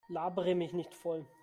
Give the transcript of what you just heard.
Labere mich nicht voll!